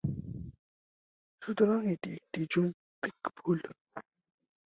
সুতরাং এটি একটি যৌক্তিক ভুল।